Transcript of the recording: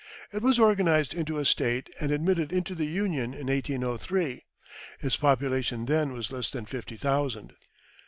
It was organised into a State and admitted into the Union in 1803. Its population then was less than fifty thousand.